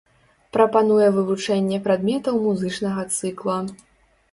Прапануе вывучэнне прадметаў музычнага цыкла.